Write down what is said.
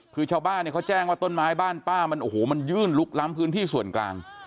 คือชาวบ้านเนี่ยเขาแจ้งว่าต้นไม้บ้านป้ามันโอ้โหมันยื่นลุกล้ำพื้นที่ส่วนกลาง